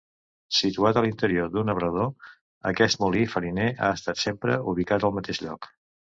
Situat a l'interior d'un obrador, aquest molí fariner ha estat sempre ubicat al mateix lloc.